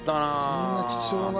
こんな貴重な。